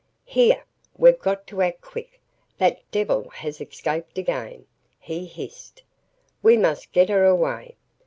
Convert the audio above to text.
"Here we've got to act quickly that devil has escaped again," he hissed. "We must get her away.